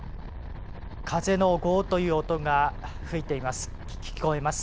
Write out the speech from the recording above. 風のゴーという音が聞こえます。